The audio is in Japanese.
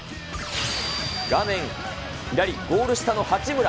画面左、ゴール下の八村。